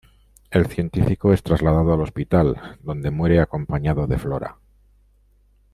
El científico es trasladado al hospital, donde muere acompañado de Flora.